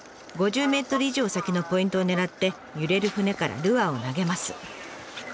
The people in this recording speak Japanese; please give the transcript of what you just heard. ５０ｍ以上先のポイントを狙って揺れる船からルアーを投げます。